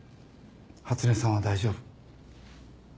初音さんは大丈夫。